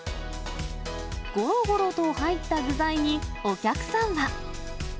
ごろごろと入った具材にお客さんは。